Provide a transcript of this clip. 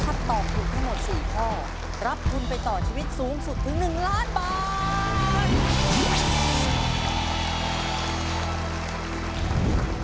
ถ้าตอบถูกทั้งหมด๔ข้อรับทุนไปต่อชีวิตสูงสุดถึง๑ล้านบาท